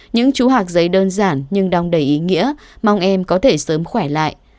những chú hạc giấy đơn giản nhưng đong đầy ý nghĩa mong em có thể sớm khỏe lại